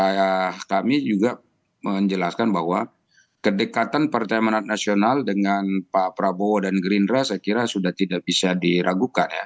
ya kami juga menjelaskan bahwa kedekatan partai manat nasional dengan pak prabowo dan gerindra saya kira sudah tidak bisa diragukan ya